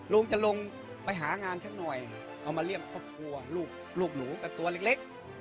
ลุงจะลงไปหางานสักหน่อยเอามาเรียกครอบครัวลูกหนูกับตัวเล็ก